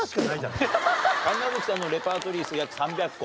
神奈月さんのレパートリー数約３００個。